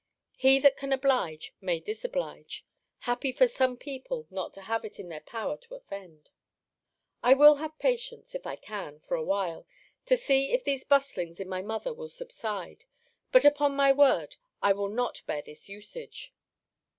He that can oblige, may disoblige Happy for some people not to have it in their power to offend! I will have patience, if I can, for a while, to see if these bustlings in my mother will subside but upon my word, I will not long bear this usage.